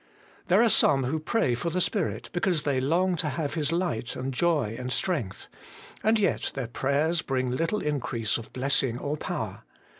There are some who pray for the Spirit because they long to have His light and joy and strength. And yet their prayers bring little increase of blessing or power.